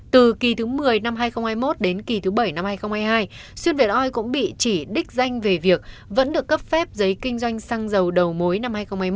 từ kỳ thứ một mươi năm hai nghìn hai mươi một đến kỳ thứ bảy năm hai nghìn hai mươi hai xuyên việt oi cũng bị chỉ đích danh về việc vẫn được cấp phép giấy kinh doanh xăng dầu đầu mối năm hai nghìn hai mươi một